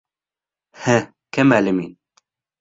Һе, кем әле мин?